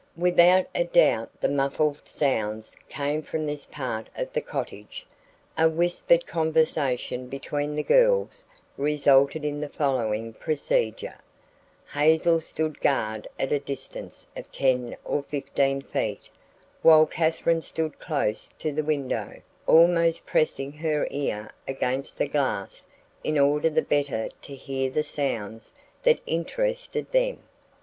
Without a doubt the muffled sounds came from this part of the cottage. A whispered conversation between the girls resulted in the following procedure: Hazel stood guard at a distance of ten or fifteen feet while Katherine stood close to the window, almost pressing her ear against the glass in order the better to hear the sounds that interested them.